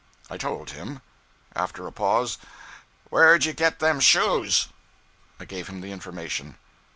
I told him. After a pause 'Where'd you get them shoes?' I gave him the information.